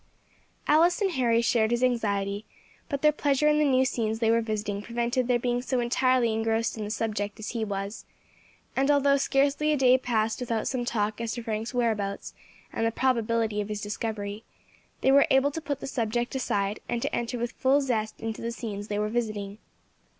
Alice and Harry shared his anxiety; but their pleasure in the new scenes they were visiting prevented their being so entirely engrossed in the subject as he was; and although scarcely a day passed without some talk as to Frank's whereabouts, and the probability of his discovery, they were able to put the subject aside and to enter with full zest into the scenes they were visiting.